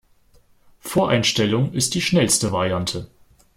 Voreinstellung ist die schnellste Variante.